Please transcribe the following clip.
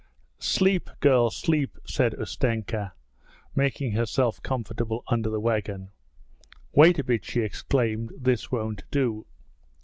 'Sleep, girls, sleep!' said Ustenka, making herself comfortable under the wagon. 'Wait a bit,' she exclaimed, 'this won't do!'